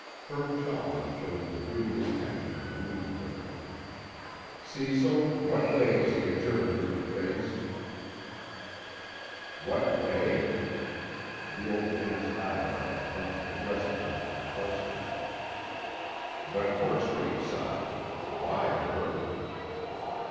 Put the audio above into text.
Herb Chalmers showed the dubious tension of a news bringer. "Cecil, what way does the jury room face?" "What way?" The Old Man's eyebrows bunched aggressively in perplexity. "The Court Street side. Why, Herb?"